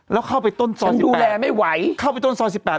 แล้วเข้าไปต้นตรองสอสิบแปด